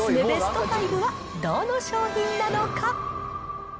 ベスト５はどの商品なのか。